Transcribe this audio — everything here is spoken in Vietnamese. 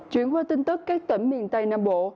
chuyển qua tin tức các tỉnh miền tây nam bộ